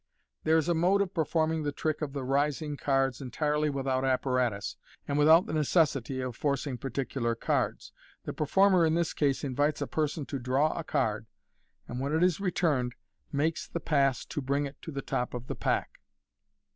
There is a mode of performing the trick of the rising cards en tirely without apparatus, and without the necessity of forcing par ticular cards. The performer in this case invites a person to draw a card, and when it is returned makes the pass to bring it to the top o»* i3o MODERN MAGIC. the pack.